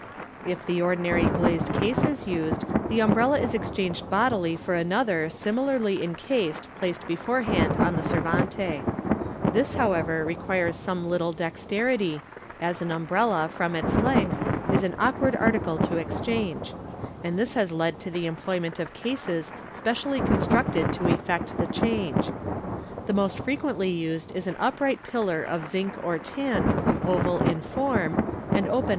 If the ordinary glazed case is used, the umbrella is exchanged bodily foi another, similarly encased, placed beforehand on the servant*. This, 13* MODERN MAGIC. w however, requires some little dexterity, as an umbrella, from its lengthy is an awkward article to exchange ; and this has led to the employ ment of cases specially constructed to effect the change. That most fre quently used is an upright pillar of zinc or tin, oval in form, and open